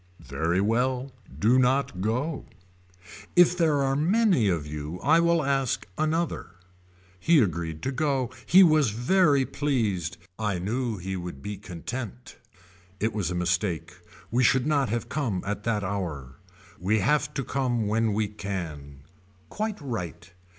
Very well do not go. If there are many of you I will ask another. He agreed to go. He was very pleased. I knew he would be content. It was a mistake we should not have come at that hour. We have to come when we can. Quite right.